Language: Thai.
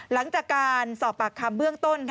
หลังจากการสอบปากคำเบื้องต้น